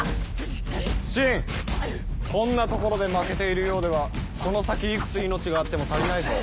こんなところで負けているようではこの先いくつ命があっても足りないぞ。